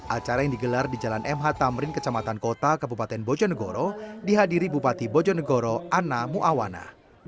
acara yang digelar di jalan mh tamrin kecamatan kota kabupaten bojo negoro dihadiri bupati bojo negoro anna muawana